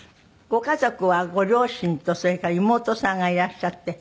ご家族はご両親とそれから妹さんがいらっしゃって。